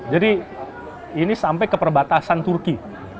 jadi ini sampai ke perbatasan turki